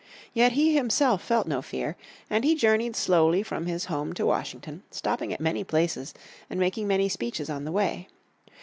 Yet he himself felt no fear, and he journeyed slowly from his home to Washington, stopping at many places, and making many speeches on the way.